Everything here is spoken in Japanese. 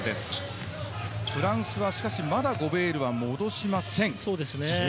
フランスはまだゴベールは戻しません。